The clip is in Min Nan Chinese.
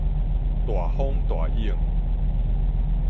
大風大湧